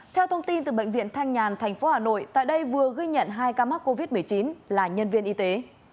theo thông tin từ bệnh viện thanh nhàn tp hà nội tại đây vừa ghi nhận hai ca mắc covid một mươi chín là nhân viên y tế